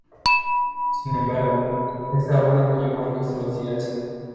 Sin embargo, esta obra no llegó a nuestros días.